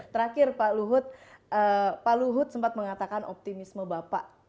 terakhir pak luhut pak luhut sempat mengatakan optimisme bapak